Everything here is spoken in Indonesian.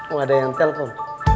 oh ada yang telepon